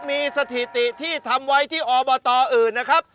มีสถิติที่ทำไว้ที่อบตอื่นนะครับ